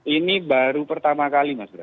ini baru pertama kali mas bra